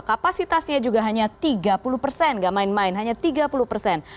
kapasitasnya juga hanya tiga puluh persen gak main main hanya tiga puluh persen